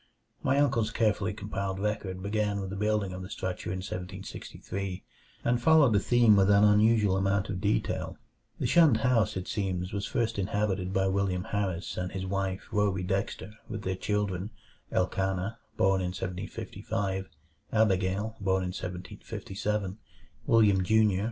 My uncle's carefully compiled record began with the building of the structure in 1763, and followed the theme with an unusual amount of detail. The shunned house, it seems, was first inhabited by William Harris and his wife Rhoby Dexter, with their children, Elkanah, born in 1755, Abigail, born in 1757, William, Jr.